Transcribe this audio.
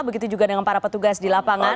begitu juga dengan para petugas di lapangan